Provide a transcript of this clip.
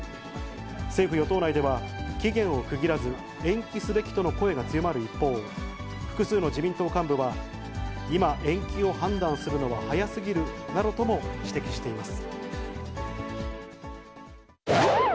政府・与党内では、期限を区切らず、延期すべきとの声が強まる一方、複数の自民党幹部は、今、延期を判断するのは早すぎるなどとも指摘しています。